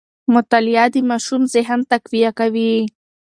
مطالعه د ماشوم ذهن تقویه کوي.